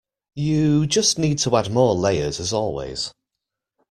You just need to add more layers as always.